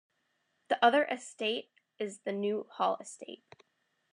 The other estate is the New Hall Estate.